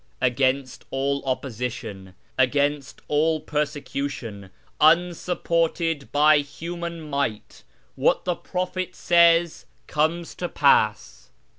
Against all opposition, against all persecution, unsupported by human might, what the prophet says comes to pass.